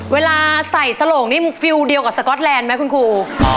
เวลาใส่สโหลงนี่ฟิลเดียวกับสก๊อตแลนด์ไหมคุณครู